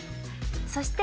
そして。